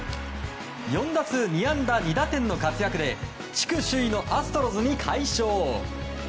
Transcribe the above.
４打数２安打２打点の活躍で地区首位のアストロズに快勝。